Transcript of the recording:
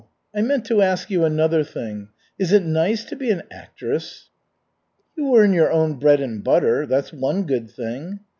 I meant to ask you another thing. Is it nice to be an actress?" "You earn your own bread and butter. That's one good thing."